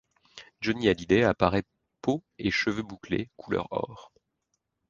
Johnny Hallyday apparaît peau et cheveux bouclés couleurs or.